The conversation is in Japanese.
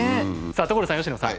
さあ所さん佳乃さん。